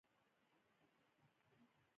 له جینو سره له خبرو وروسته پوه شوم.